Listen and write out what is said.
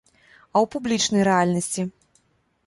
А ў публічнай рэальнасці?